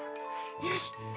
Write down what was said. よし！